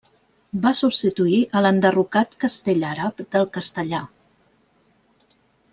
Va substituir a l'enderrocat castell àrab del Castellar.